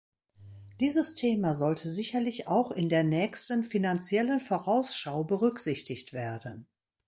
Dieses Thema sollte sicherlich auch in der nächsten finanziellen Vorausschau berücksichtigt werden.